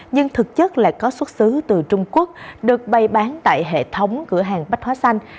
nhưng thực chất là có xuất xứ từ trung quốc được bày bán tại hệ thống cửa hàng bách hóa xanh